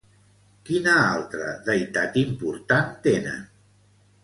Quina altra deïtat important tenen?